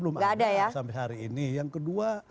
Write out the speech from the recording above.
belum ada sampai hari ini yang kedua